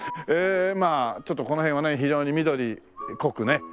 まあちょっとこの辺はね非常に緑濃くね。